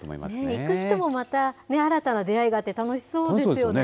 行く人もまた、新たな出会いがあって、楽しそうですよね。